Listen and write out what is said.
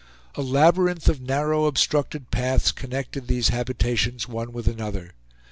A labyrinth of narrow, obstructed paths connected these habitations one with another.